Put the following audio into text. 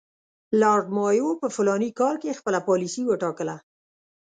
لارډ مایو په فلاني کال کې خپله پالیسي وټاکله.